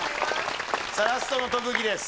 さあラストの特技です